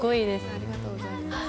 ありがとうございます。